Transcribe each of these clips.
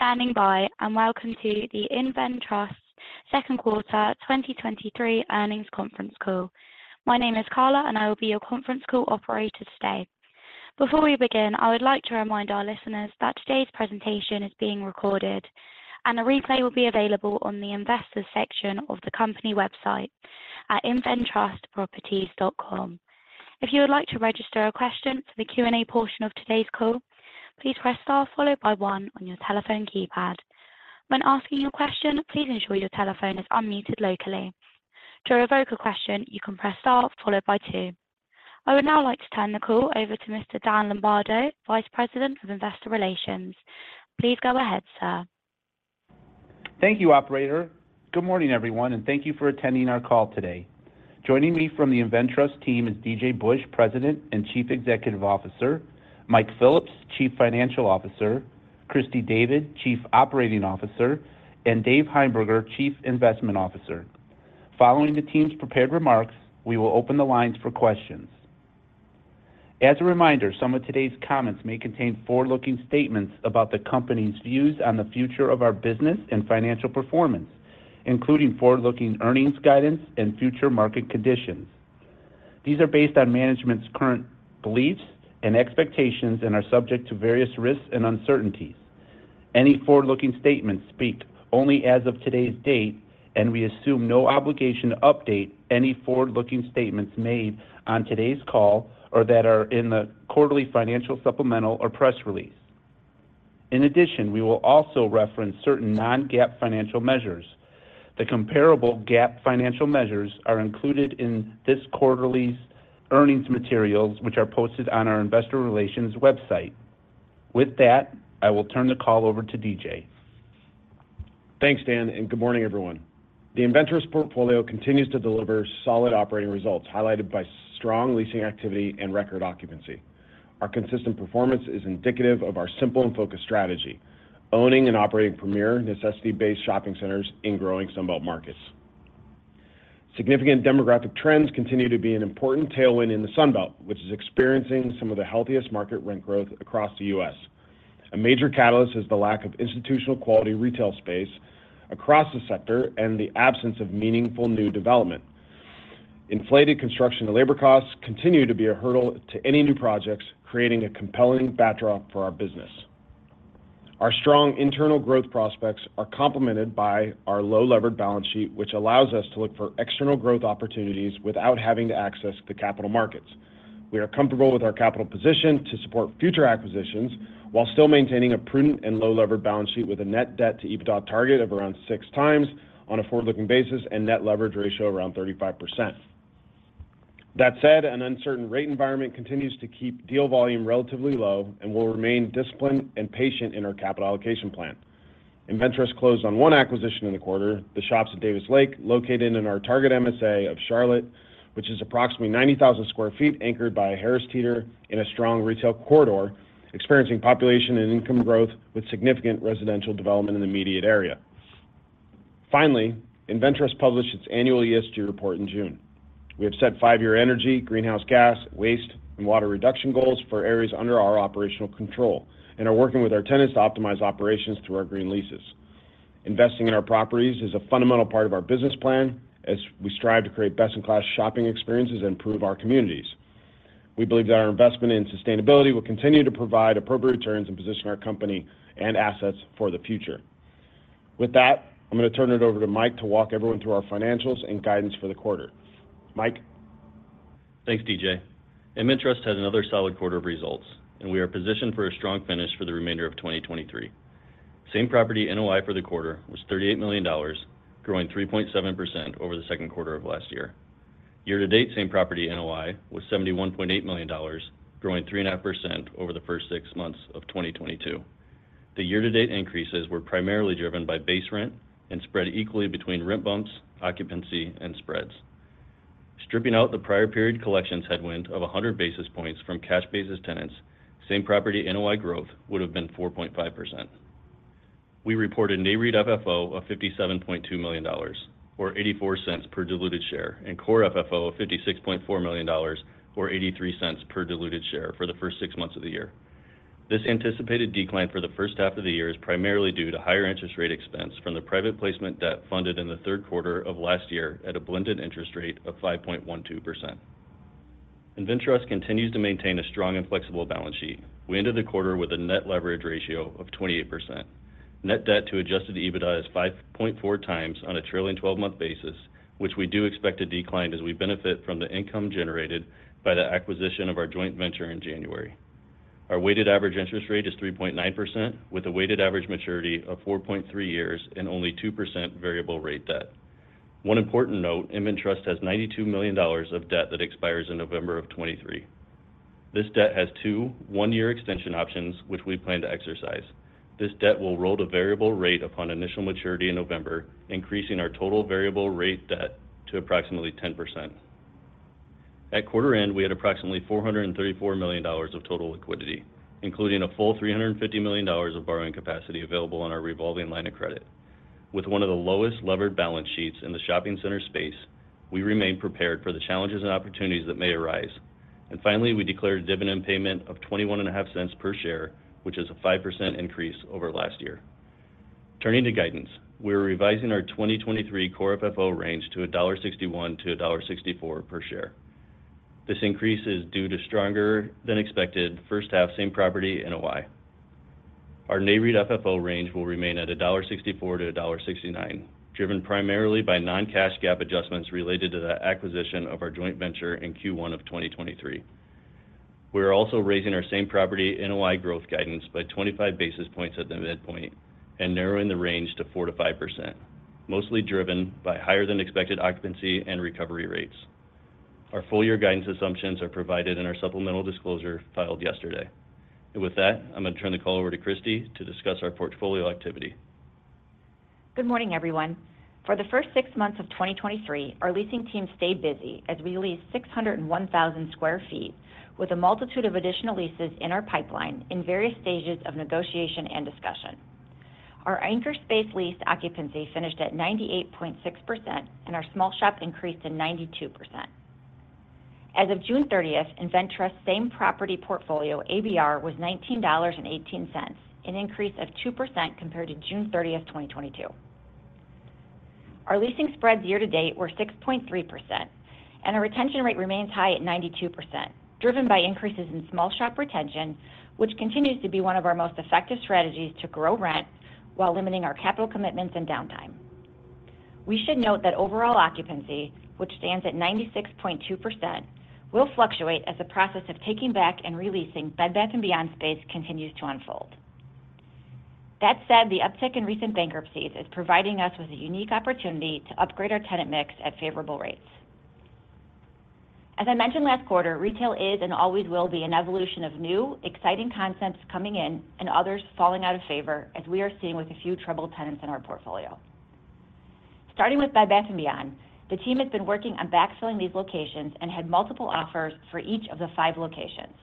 Thank you for standing by, and welcome to the InvenTrust Properties Second Quarter 2023 Earnings Conference Call. My name is Carla, and I will be your conference call operator today. Before we begin, I would like to remind our listeners that today's presentation is being recorded, and a replay will be available on the Investors section of the company website at inventtrustproperties.com. If you would like to register a question for the Q&A portion of today's call, please press star followed by one on your telephone keypad. When asking your question, please ensure your telephone is unmuted locally. To revoke a question, you can press star followed by two. I would now like to turn the call over to Mr. Dan Lombardo, Vice President of Investor Relations. Please go ahead, sir. Thank you, operator. Good morning, everyone. Thank you for attending our call today. Joining me from the InvenTrust team is DJ Busch, President and Chief Executive Officer, Mike Phillips, Chief Financial Officer, Christy David, Chief Operating Officer, and David Heimberger, Chief Investment Officer. Following the team's prepared remarks, we will open the lines for questions. As a reminder, some of today's comments may contain forward-looking statements about the company's views on the future of our business and financial performance, including forward-looking earnings guidance and future market conditions. These are based on management's current beliefs and expectations and are subject to various risks and uncertainties. Any forward-looking statements speak only as of today's date, and we assume no obligation to update any forward-looking statements made on today's call or that are in the quarterly financial, supplemental, or press release. In addition, we will also reference certain non-GAAP financial measures. The comparable GAAP financial measures are included in this quarterly's earnings materials, which are posted on our investor relations website. With that, I will turn the call over to DJ. Thanks, Dan, and good morning, everyone. The InvenTrust Properties portfolio continues to deliver solid operating results, highlighted by strong leasing activity and record occupancy. Our consistent performance is indicative of our simple and focused strategy: owning and operating premier necessity-based shopping centers in growing Sunbelt markets. Significant demographic trends continue to be an important tailwind in the Sunbelt, which is experiencing some of the healthiest market rent growth across the U.S. A major catalyst is the lack of institutional-quality retail space across the sector and the absence of meaningful new development. Inflated construction and labor costs continue to be a hurdle to any new projects, creating a compelling backdrop for our business. Our strong internal growth prospects are complemented by our low-levered balance sheet, which allows us to look for external growth opportunities without having to access the capital markets. We are comfortable with our capital position to support future acquisitions while still maintaining a prudent and low-levered balance sheet with a net debt to EBITDA target of around 6x on a forward-looking basis and net leverage ratio around 35%. That said, an uncertain rate environment continues to keep deal volume relatively low and will remain disciplined and patient in our capital allocation plan. InvenTrust Properties closed on one acquisition in the quarter, The Shoppes at Davis Lake, located in our target MSA of Charlotte, which is approximately 90,000 sq ft, anchored by a Harris Teeter in a strong retail corridor, experiencing population and income growth with significant residential development in the immediate area. Finally, InvenTrust Properties published its annual ESG report in June. We have set five-year energy, greenhouse gas, waste, and water reduction goals for areas under our operational control and are working with our tenants to optimize operations through our green leases. Investing in our properties is a fundamental part of our business plan as we strive to create best-in-class shopping experiences and improve our communities. We believe that our investment in sustainability will continue to provide appropriate returns and position our company and assets for the future. With that, I'm going to turn it over to Mike to walk everyone through our financials and guidance for the quarter. Mike? Thanks, D.J. InvenTrust Properties had another solid quarter of results, and we are positioned for a strong finish for the remainder of 2023. Same-property NOI for the quarter was $38 million, growing 3.7% over the second quarter of last year. Year-to-date, same-property NOI was $71.8 million, growing 3.5% over the first six months of 2022. The year-to-date increases were primarily driven by base rent and spread equally between rent bumps, occupancy, and spreads. Stripping out the prior period collections headwind of 100 basis points from cash basis tenants, same-property NOI growth would have been 4.5%. We reported NAREIT FFO of $57.2 million, or $0.84 per diluted share, and Core FFO of $56.4 million, or $0.83 per diluted share for the first six months of the year. This anticipated decline for the first half of the year is primarily due to higher interest rate expense from the private placement debt funded in the third quarter of last year at a blended interest rate of 5.12%. InvenTrust Properties continues to maintain a strong and flexible balance sheet. We ended the quarter with a net leverage ratio of 28%. Net debt to adjusted EBITDA is 5.4 times on a trailing twelve-month basis, which we do expect to decline as we benefit from the income generated by the acquisition of our joint venture in January. Our weighted average interest rate is 3.9%, with a weighted average maturity of 4.3 years and only 2% variable rate debt. One important note, InvenTrust Properties has $92 million of debt that expires in November 2023. This debt has two one-year extension options, which we plan to exercise. This debt will roll to variable rate upon initial maturity in November, increasing our total variable rate debt to approximately 10%. At quarter end, we had approximately $434 million of total liquidity, including a full $350 million of borrowing capacity available on our revolving line of credit. With one of the lowest levered balance sheets in the shopping center space, we remain prepared for the challenges and opportunities that may arise. Finally, we declared a dividend payment of $0.215 per share, which is a 5% increase over last year. Turning to guidance, we're revising our 2023 Core FFO range to $1.61-$1.64 per share. This increase is due to stronger than expected first half same-property NOI. Our NAREIT FFO range will remain at $1.64-$1.69, driven primarily by non-cash GAAP adjustments related to the acquisition of our joint venture in Q1 of 2023. We are also raising our same-property NOI growth guidance by 25 basis points at the midpoint and narrowing the range to 4%-5%, mostly driven by higher than expected occupancy and recovery rates. Our full year guidance assumptions are provided in our supplemental disclosure filed yesterday. With that, I'm going to turn the call over to Christy to discuss our portfolio activity. Good morning, everyone. For the first six months of 2023, our leasing team stayed busy as we leased 601,000 sq ft, with a multitude of additional leases in our pipeline in various stages of negotiation and discussion. Our anchor space lease occupancy finished at 98.6%, our small shop increased to 92%. As of June 30th, InvenTrust same property portfolio ABR was $19.18, an increase of 2% compared to June 30th, 2022. Our leasing spreads year to date were 6.3%, our retention rate remains high at 92%, driven by increases in small shop retention, which continues to be one of our most effective strategies to grow rent while limiting our capital commitments and downtime. We should note that overall occupancy, which stands at 96.2%, will fluctuate as the process of taking back and re-leasing Bed Bath & Beyond space continues to unfold. That said, the uptick in recent bankruptcies is providing us with a unique opportunity to upgrade our tenant mix at favorable rates. As I mentioned last quarter, retail is and always will be an evolution of new, exciting concepts coming in and others falling out of favor, as we are seeing with a few troubled tenants in our portfolio. Starting with Bed Bath & Beyond, the team has been working on backfilling these locations and had multiple offers for each of the five locations.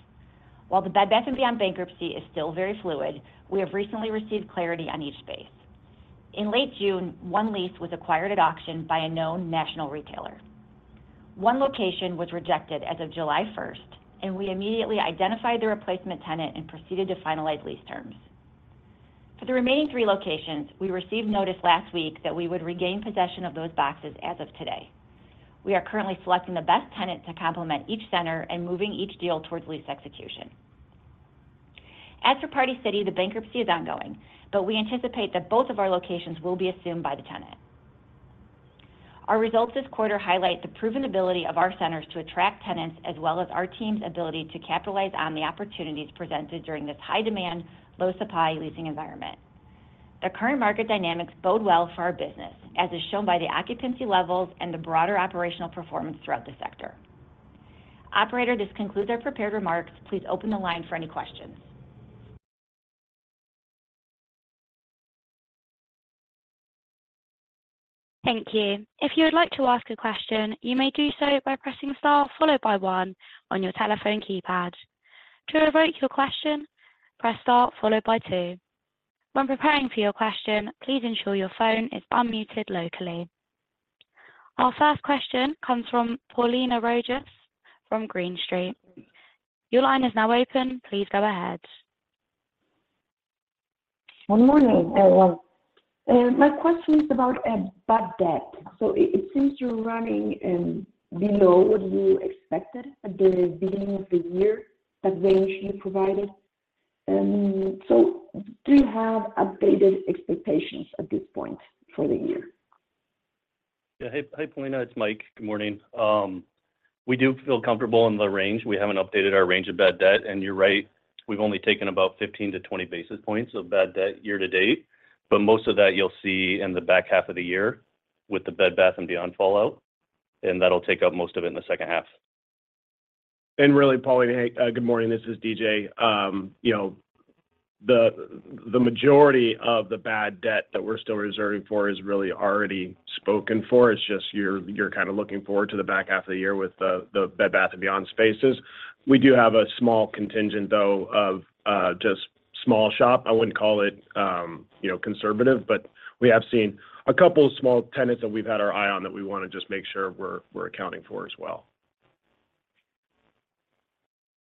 While the Bed Bath & Beyond bankruptcy is still very fluid, we have recently received clarity on each space. In late June, one lease was acquired at auction by a known national retailer. One location was rejected as of July first. We immediately identified the replacement tenant and proceeded to finalize lease terms. For the remaining three locations, we received notice last week that we would regain possession of those boxes as of today. We are currently selecting the best tenant to complement each center and moving each deal towards lease execution. As for Party City, the bankruptcy is ongoing. We anticipate that both of our locations will be assumed by the tenant. Our results this quarter highlight the proven ability of our centers to attract tenants, as well as our team's ability to capitalize on the opportunities presented during this high demand, low supply leasing environment. The current market dynamics bode well for our business, as is shown by the occupancy levels and the broader operational performance throughout the sector. Operator, this concludes our prepared remarks. Please open the line for any questions. Thank you. If you would like to ask a question, you may do so by pressing star followed by one on your telephone keypad. To revoke your question, press star followed by two. When preparing for your question, please ensure your phone is unmuted locally. Our first question comes from Paulina Rojas from Green Street. Your line is now open. Please go ahead. Good morning, everyone. My question is about bad debt. It, it seems you're running below what you expected at the beginning of the year, the range you provided. Do you have updated expectations at this point for the year? Yeah. Hey, hi, Paulina, it's Mike. Good morning. We do feel comfortable in the range. We haven't updated our range of bad debt. You're right, we've only taken about 15-20 basis points of bad debt year-to-date. Most of that you'll see in the back half of the year with the Bed Bath & Beyond fallout, and that'll take up most of it in the second half. Really, Paulina, hey, good morning, this is DJ. You know, the, the majority of the bad debt that we're still reserving for is really already spoken for. It's just you're, you're kind of looking forward to the back half of the year with the, the Bed Bath & Beyond spaces. We do have a small contingent, though, of, just small shop. I wouldn't call it, you know, conservative, but we have seen a couple of small tenants that we've had our eye on that we want to just make sure we're, we're accounting for as well.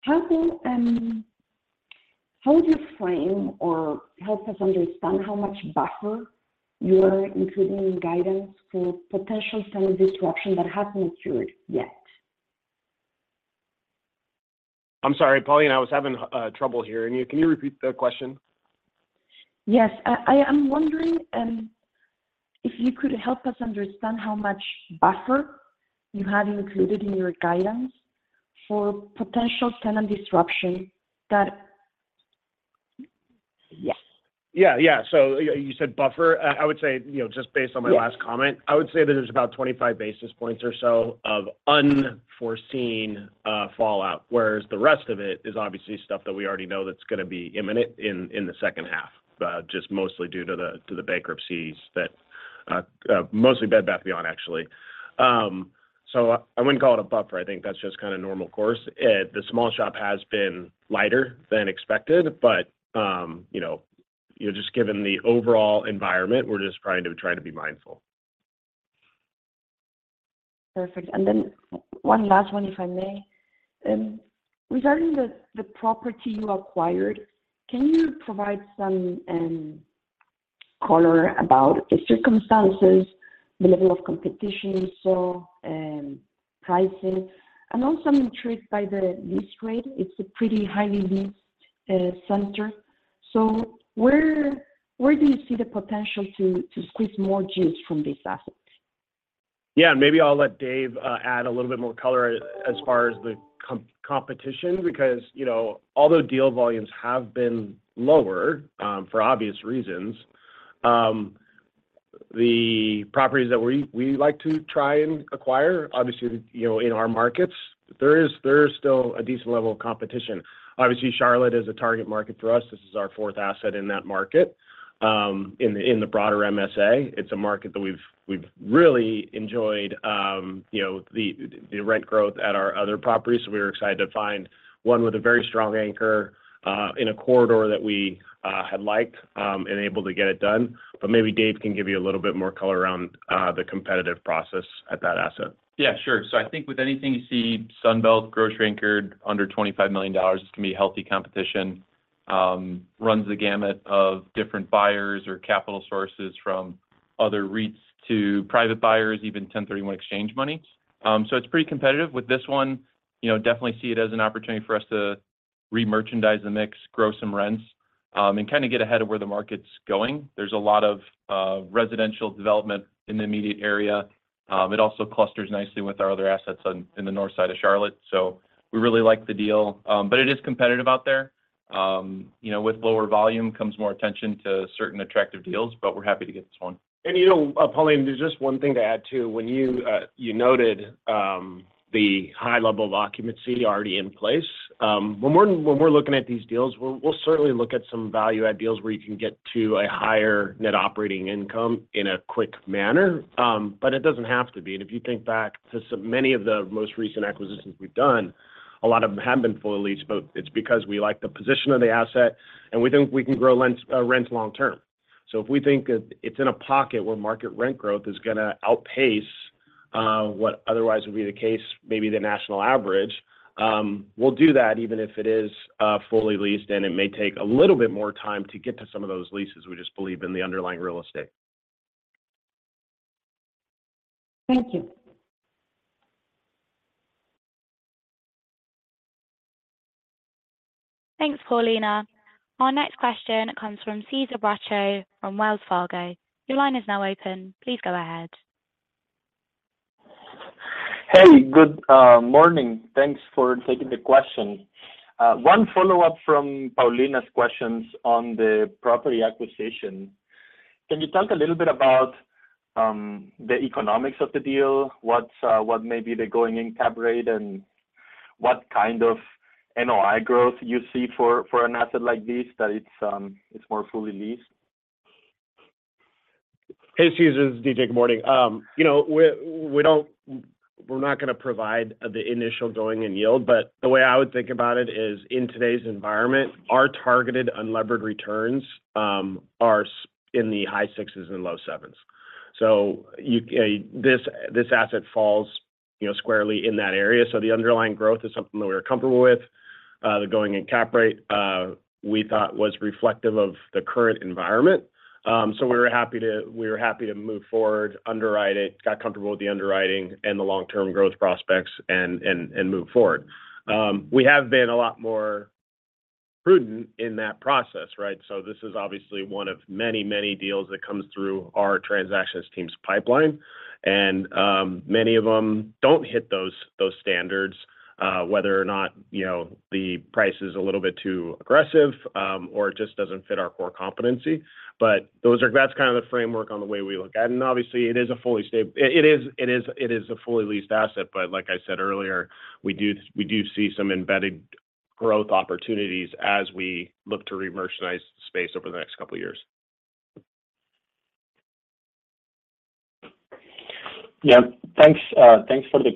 How would you frame or help us understand how much buffer you are including in guidance for potential tenant disruption that hasn't occurred yet? I'm sorry, Paulina, I was having trouble hearing you. Can you repeat the question? Yes. I, I am wondering, if you could help us understand how much buffer you have included in your guidance for potential tenant disruption that... Yes. Yeah. Yeah. You, you said buffer? I would say, you know, just based on my last comment- Yeah. I would say that there's about 25 basis points or so of unforeseen fallout, whereas the rest of it is obviously stuff that we already know that's going to be imminent in the second half, just mostly due to the bankruptcies that, mostly Bed Bath & Beyond, actually. I wouldn't call it a buffer. I think that's just kind of normal course. The small shop has been lighter than expected, but, you know, you know, just given the overall environment, we're just trying to try to be mindful. Perfect. Then one last one, if I may. Regarding the, the property you acquired, can you provide some color about the circumstances, the level of competition you saw, prices, and also I'm intrigued by the lease rate. It's a pretty highly leased center. Where, where do you see the potential to, to squeeze more juice from this asset? Yeah, maybe I'll let Dave add a little bit more color as far as the competition, because, you know, although deal volumes have been lower, for obvious reasons, the properties that we, we like to try and acquire, obviously, you know, in our markets, there is, there is still a decent level of competition. Obviously, Charlotte is a target market for us. This is our fourth asset in that market. In the, in the broader MSA, it's a market that we've, we've really enjoyed, you know, the, the rent growth at our other properties. We were excited to find one with a very strong anchor, in a corridor that we had liked, and able to get it done. Maybe Dave can give you a little bit more color around the competitive process at that asset. Yeah, sure. I think with anything you see Sunbelt grocery-anchored under $25 million, it's gonna be a healthy competition. Runs the gamut of different buyers or capital sources, from other REITs to private buyers, even 1031 exchange money. It's pretty competitive. With this one, you know, definitely see it as an opportunity for us to re-merchandise the mix, grow some rents, and kind of get ahead of where the market's going. There's a lot of residential development in the immediate area. It also clusters nicely with our other assets in the north side of Charlotte, we really like the deal. It is competitive out there. You know, with lower volume comes more attention to certain attractive deals, we're happy to get this one. you know, Paulina, there's just one thing to add, too. When you, you noted, the high level of occupancy already in place. When we're, when we're looking at these deals, we'll, we'll certainly look at some value add deals where you can get to a higher net operating income in a quick manner. It doesn't have to be. If you think back to many of the most recent acquisitions we've done, a lot of them have been fully leased, but it's because we like the position of the asset, and we think we can grow lens, rent long term. If we think it, it's in a pocket where market rent growth is gonna outpace, what otherwise would be the case, maybe the national average, we'll do that even if it is fully leased, and it may take a little bit more time to get to some of those leases. We just believe in the underlying real estate. Thank you. Thanks, Paulina. Our next question comes from Cesar Bracho from Wells Fargo. Your line is now open. Please go ahead. Hey, good morning. Thanks for taking the question. One follow-up from Paulina's questions on the property acquisition. Can you talk a little bit about the economics of the deal? What's, what may be the going-in cap rate, and what kind of NOI growth you see for, for an asset like this, that it's, it's more fully leased? Hey, Cesar, this is DJ. Good morning. you know, we, we're not gonna provide the initial going and yield, but the way I would think about it is, in today's environment, our targeted unlevered returns are in the high 6s and low 7s. This, this asset falls, you know, squarely in that area, so the underlying growth is something that we are comfortable with. The going-in cap rate, we thought was reflective of the current environment. We were happy to, we were happy to move forward, underwrite it, got comfortable with the underwriting and the long-term growth prospects and, and, and move forward. We have been a lot more prudent in that process, right? This is obviously one of many, many deals that comes through our transactions team's pipeline, and many of them don't hit those, those standards, whether or not, you know, the price is a little bit too aggressive, or it just doesn't fit our core competency. Those are, that's kind of the framework on the way we look at it. Obviously, it is a fully stable. It is, it is, it is a fully leased asset, but like I said earlier, we do, we do see some embedded growth opportunities as we look to re-merchandise the space over the next couple of years. Yeah. Thanks, thanks for the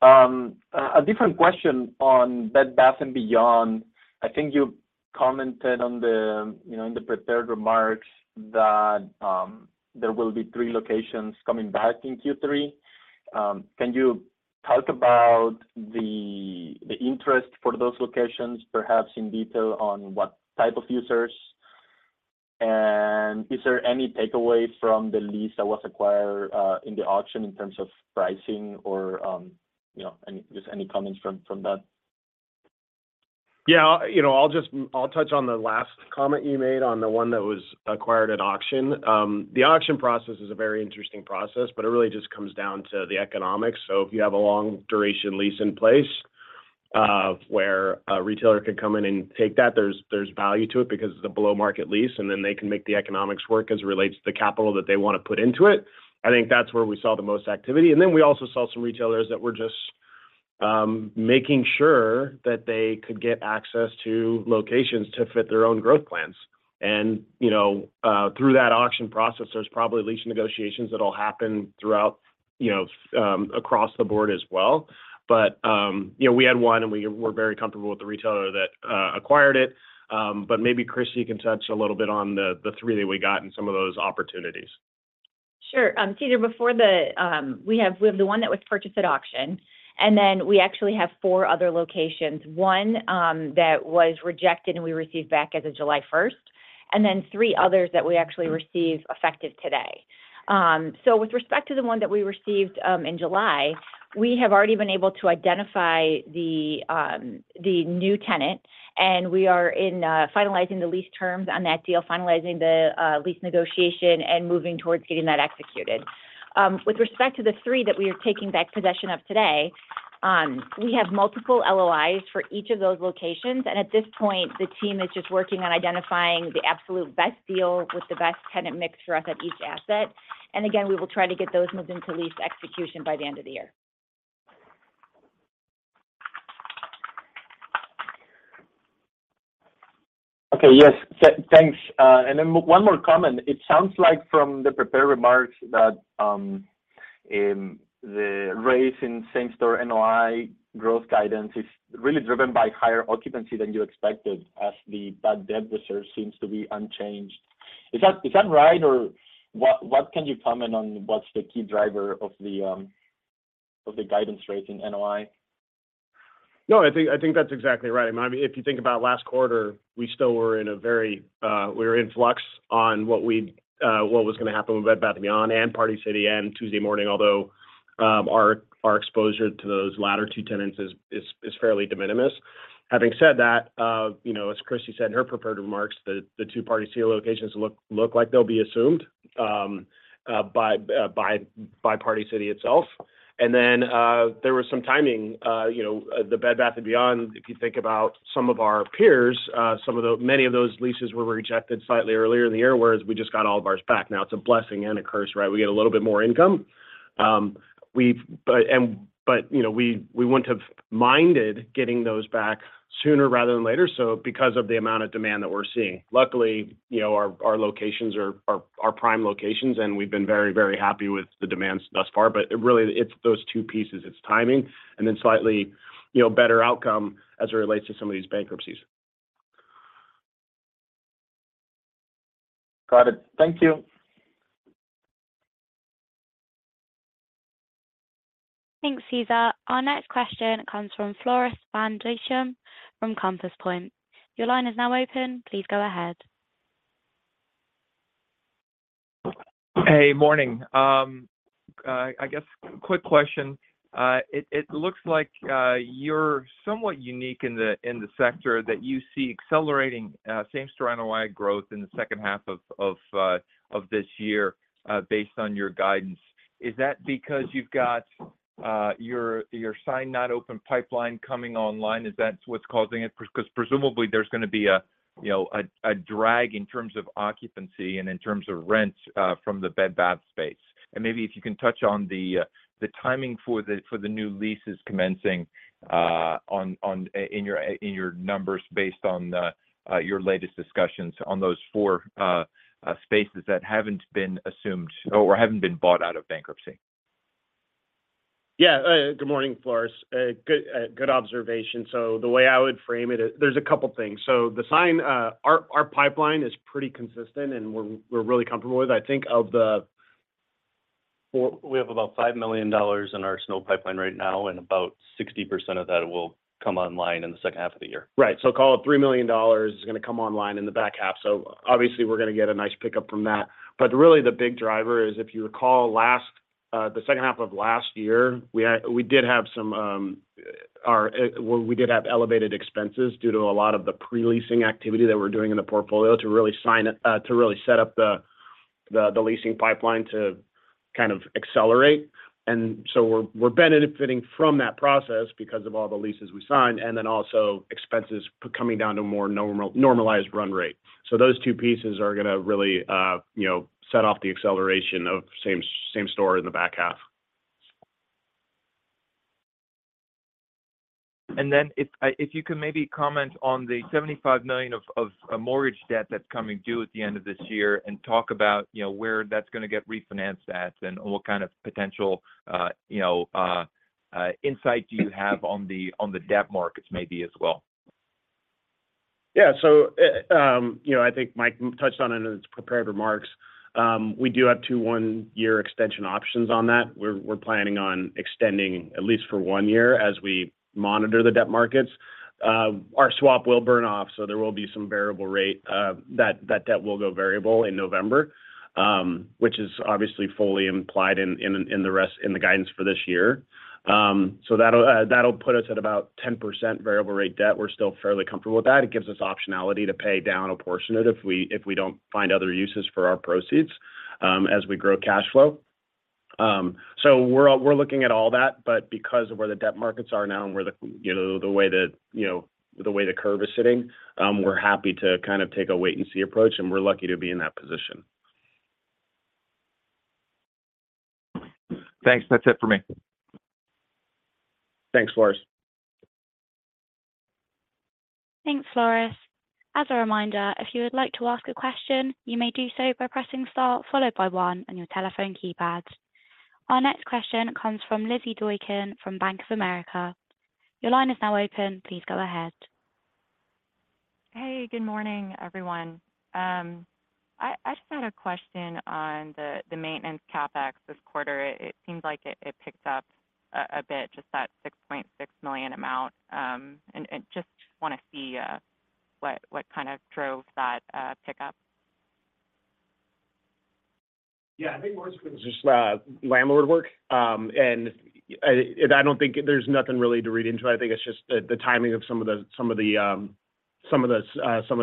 color. A different question on Bed Bath & Beyond. I think you commented on the, you know, in the prepared remarks that, there will be three locations coming back in Q3. Can you talk about the, the interest for those locations, perhaps in detail, on what type of users? Is there any takeaway from the lease that was acquired, in the auction in terms of pricing or, you know, any, just any comments from, from that? Yeah, you know, I'll touch on the last comment you made on the one that was acquired at auction. The auction process is a very interesting process, but it really just comes down to the economics. If you have a long duration lease in place, where a retailer could come in and take that, there's, there's value to it because it's a below-market lease, and then they can make the economics work as it relates to the capital that they want to put into it. I think that's where we saw the most activity. Then we also saw some retailers that were just making sure that they could get access to locations to fit their own growth plans. You know, through that auction process, there's probably lease negotiations that'll happen throughout, you know, across the board as well. You know, we had one, and we were very comfortable with the retailer that acquired it. Maybe, Christy, you can touch a little bit on the, the three that we got and some of those opportunities. Sure. Cesar, before the, we have, we have the one that was purchased at auction, and then we actually have four other locations. One, that was rejected, and we received back as of July 1st, and then three others that we actually received effective today. So with respect to the one that we received, in July, we have already been able to identify the, the new tenant, and we are in, finalizing the lease terms on that deal, finalizing the, lease negotiation, and moving towards getting that executed. With respect to the three that we are taking back possession of today, we have multiple LOIs for each of those locations, and at this point, the team is just working on identifying the absolute best deal with the best tenant mix for us at each asset. Again, we will try to get those moved into lease execution by the end of the year. Okay. Yes, thanks. Then one more comment. It sounds like from the prepared remarks that the raise in same-property NOI growth guidance is really driven by higher occupancy than you expected, as the bad debt reserve seems to be unchanged. Is that right? What can you comment on what's the key driver of the guidance rate in NOI? No, I think, I think that's exactly right. I mean, if you think about last quarter, we still were in a very, we were in flux on what we'd, what was going to happen with Bed Bath & Beyond, and Party City, and Tuesday Morning, although, our, our exposure to those latter two tenants is, is, is fairly de minimis. Having said that, you know, as Christy said in her prepared remarks, the, the two Party City locations look, look like they'll be assumed, by, by Party City itself. There was some timing, you know, the Bed Bath & Beyond, if you think about some of our peers, some of the many of those leases were rejected slightly earlier in the year, whereas we just got all of ours back. Now, it's a blessing and a curse, right? We get a little bit more income. We, you know, we, we wouldn't have minded getting those back sooner rather than later, so because of the amount of demand that we're seeing. Luckily, you know, our, our locations are, are our prime locations, and we've been very, very happy with the demands thus far. It really, it's those two pieces, it's timing, and then slightly, you know, better outcome as it relates to some of these bankruptcies. Got it. Thank you. Thanks, Cesar. Our next question comes from Floris van Dijkum from Compass Point. Your line is now open. Please go ahead. Hey, morning. I guess quick question. It, it looks like, you're somewhat unique in the, in the sector that you see accelerating, same-store NOI growth in the second half of this year, based on your guidance. Is that because you've got, your, your signed, not open pipeline coming online? Is that what's causing it? Because presumably, there's going to be a, you know, a, a drag in terms of occupancy and in terms of rent, from the Bed Bath space. Maybe if you can touch on the, the timing for the, for the new leases commencing, on, on, in your, in your numbers based on the, your latest discussions on those four spaces that haven't been assumed or haven't been bought out of bankruptcy. Yeah. Good morning, Floris. Good, good observation. The sign, our pipeline is pretty consistent, and we're, we're really comfortable with. I think of the- Well, we have about $5 million in our SNO pipeline right now, and about 60% of that will come online in the second half of the year. Right. Call it $3 million is going to come online in the back half. Obviously, we're going to get a nice pickup from that. Really, the big driver is, if you recall, last, the second half of last year, we did have some, well, we did have elevated expenses due to a lot of the pre-leasing activity that we're doing in the portfolio to really sign, to really set up the, the, the leasing pipeline to kind of accelerate. We're, we're benefiting from that process because of all the leases we signed, and then also expenses coming down to a more normalized run rate. Those two pieces are going to really, you know, set off the acceleration of same-store in the back half. Then if, if you could maybe comment on the $75 million of, of, mortgage debt that's coming due at the end of this year, and talk about, you know, where that's going to get refinanced at, and what kind of potential, you know, insight do you have on the, on the debt markets maybe as well? Yeah. You know, I think Mike touched on it in his prepared remarks. We do have 2 1-year extension options on that. We're planning on extending at least for 1 year as we monitor the debt markets. Our swap will burn off, so there will be some variable rate, that debt will go variable in November, which is obviously fully implied in the rest-- in the guidance for this year. That'll put us at about 10% variable rate debt. We're still fairly comfortable with that. It gives us optionality to pay down a portion of it if we, if we don't find other uses for our proceeds, as we grow cash flow. We're, we're looking at all that, but because of where the debt markets are now and where the, you know, the way that, you know, the way the curve is sitting, we're happy to kind of take a wait-and-see approach, and we're lucky to be in that position. Thanks. That's it for me. Thanks, Floris. Thanks, Floris. As a reminder, if you would like to ask a question, you may do so by pressing star followed by one on your telephone keypad. Our next question comes from Lizzie Doykin from Bank of America. Your line is now open. Please go ahead. Hey, good morning, everyone. I, I just had a question on the, the maintenance CapEx this quarter. It seems like it, it picked up a, a bit, just that $6.6 million amount. Just want to see what, what kind of drove that pickup? Yeah, I think most of it was just, landlord work. I don't think there's nothing really to read into it. I think it's just the, the timing of some of the, some of the, some of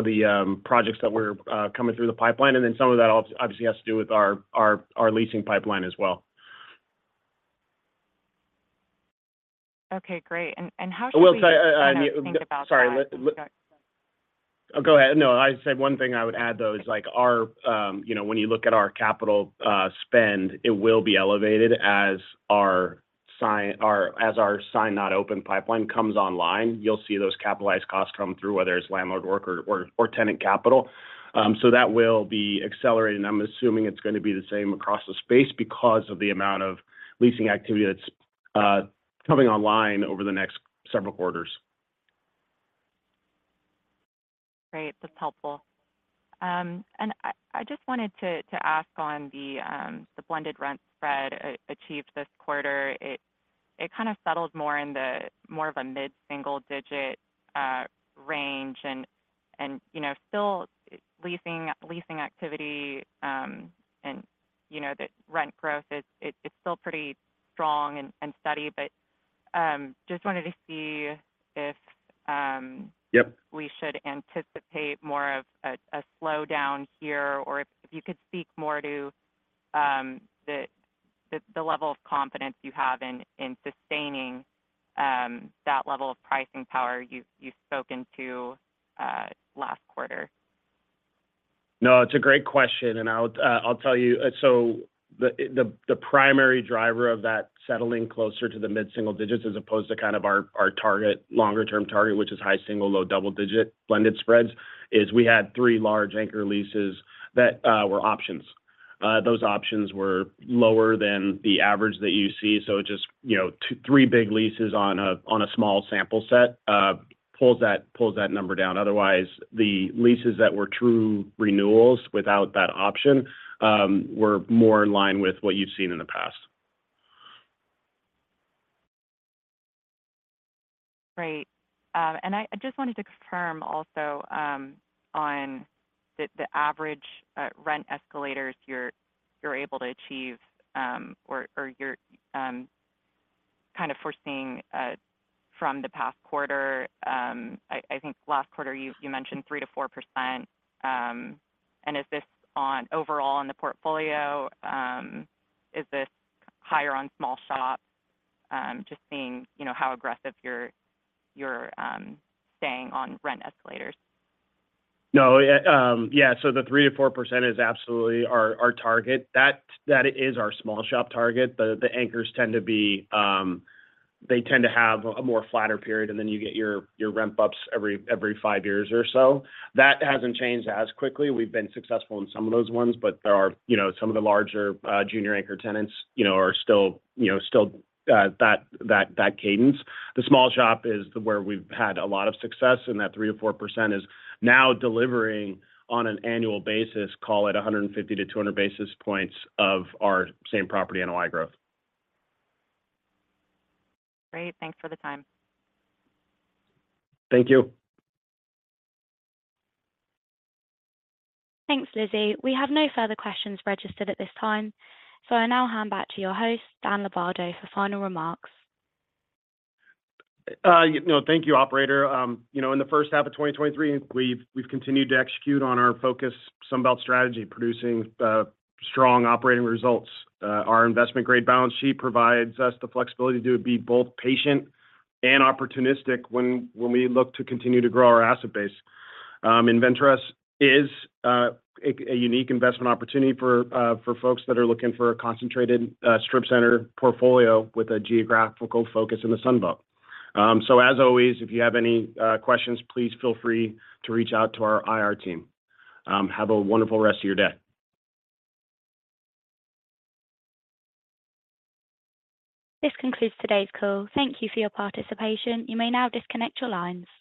the, projects that we're, coming through the pipeline, some of that obviously has to do with our, our, our leasing pipeline as well. Okay, great. And how should we- Well, sorry, I mean- kind of think about that? Sorry. Oh, go ahead. No, I said one thing I would add, though, is, like, our, you know, when you look at our capital spend, it will be elevated as our sign not open pipeline comes online. You'll see those capitalized costs come through, whether it's landlord work or tenant capital. So that will be accelerated, and I'm assuming it's going to be the same across the space because of the amount of leasing activity that's coming online over the next several quarters. Great. That's helpful. I, I just wanted to, to ask on the, the blended rent spread achieved this quarter. It, it kind of settled more in the more of a mid-single digit range. You know, still leasing, leasing activity, and, you know, the rent growth, it's, it's still pretty strong and steady. Just wanted to see if... Yep... we should anticipate more of a slowdown here, or if, if you could speak more to the level of confidence you have in sustaining that level of pricing power you've spoken to last quarter. No, it's a great question, and I'll, I'll tell you. The, the, the primary driver of that settling closer to the mid-single digits as opposed to kind of our, our target, longer-term target, which is high single, low double-digit blended spreads, is we had three large anchor leases that were options. Those options were lower than the average that you see, so just, you know, three big leases on a, on a small sample set, pulls that, pulls that number down. Otherwise, the leases that were true renewals without that option, were more in line with what you've seen in the past. Great. I, I just wanted to confirm also, on the, the average rent escalators you're, you're able to achieve, or, or you're kind of foreseeing from the past quarter. I, I think last quarter you, you mentioned 3%-4%. Is this on overall on the portfolio? Is this higher on small shop? Just seeing, you know, how aggressive you're, you're staying on rent escalators. No, yeah. Yeah, the 3%-4% is absolutely our, our target. That is our small shop target. The anchors tend to be. They tend to have a more flatter period, and then you get your, your ramp-ups every 5 years or so. That hasn't changed as quickly. We've been successful on some of those ones, but there are, you know, some of the larger junior anchor tenants, you know, are still, you know, still that cadence. The small shop is where we've had a lot of success, and that 3%-4% is now delivering on an annual basis, call it 150-200 basis points of our same-property NOI growth. Great. Thanks for the time. Thank you. Thanks, Lizzie. We have no further questions registered at this time, so I now hand back to your host, Dan Lombardo, for final remarks. you know, thank you, operator. you know, in the first half of 2023, we've, we've continued to execute on our focus Sunbelt strategy, producing strong operating results. Our investment-grade balance sheet provides us the flexibility to be both patient and opportunistic when, when we look to continue to grow our asset base. InvenTrust is a unique investment opportunity for folks that are looking for a concentrated strip center portfolio with a geographical focus in the Sunbelt. As always, if you have any questions, please feel free to reach out to our IR team. Have a wonderful rest of your day. This concludes today's call. Thank you for your participation. You may now disconnect your lines.